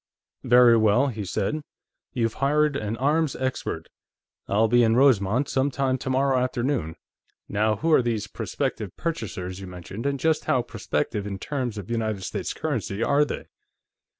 "Very well," he said. "You've hired an arms expert. I'll be in Rosemont some time tomorrow afternoon. Now, who are these prospective purchasers you mentioned, and just how prospective, in terms of United States currency, are they?"